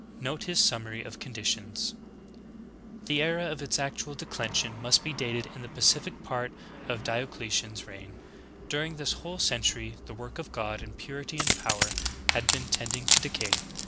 10. Note his summary of conditions : "The era of its ac tual declension must be dated in the pacific part of Diocletian's reign. During this whole century the work of God, in purity and power, had been tending to decay.